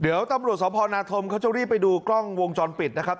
เดี๋ยวตำรวจสพนาธมเขาจะรีบไปดูกล้องวงจรปิดนะครับ